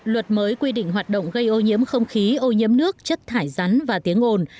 luật mới quy định hoạt động gây ô nhiễm không khí ô nhiễm nước chất thải rắn và tiếng ồn